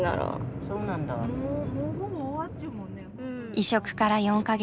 移植から４か月。